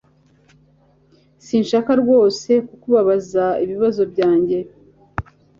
Sinshaka rwose kukubabaza ibibazo byanjye.